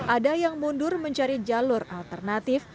ada yang mundur mencari jalur alternatif